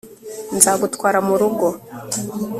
nzagutwara murugo